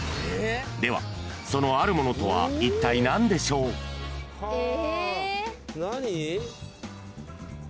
［ではそのあるものとはいったい何でしょう？］えっ！？何！？